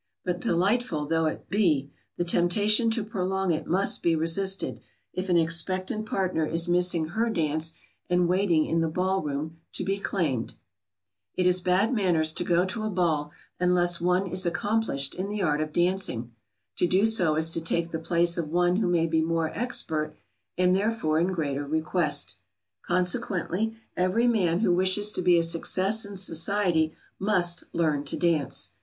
But delightful though it be, the temptation to prolong it must be resisted, if an expectant partner is missing her dance and waiting in the ball room to be claimed. [Sidenote: Non dancers should not accept invitations.] It is bad manners to go to a ball unless one is accomplished in the art of dancing. To do so is to take the place of one who may be more expert and therefore in greater request. Consequently, every man who wishes to be a success in society must learn to dance.